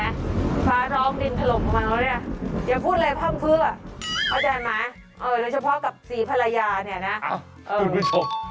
เออโดยเฉพาะกับสีภรรยาเนี่ยนะเอออ้าวคุณผู้ชม